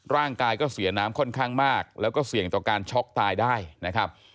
ร่างกายก็เสียน้ำค่อนข้างมากแล้วก็เสี่ยงต่อการช็อกตายได้นะครับ